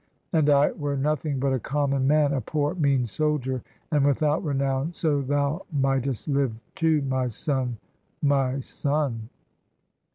And I were nothing but a common man, A poor, mean soldier, and without renown, So thou mightest live too, my son, my son!